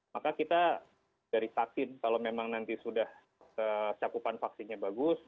maka kita dari vaksin kalau memang nanti sudah cakupan vaksinnya bagus